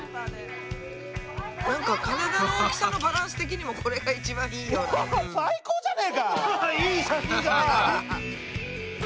なんか体の大きさのバランス的にはこれが一番いいような。